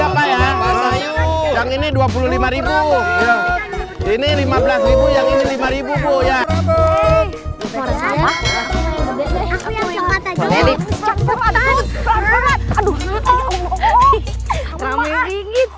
ya yang ini rp dua puluh lima ini rp lima belas yang ini rp lima ya aku yang cepat aja aduh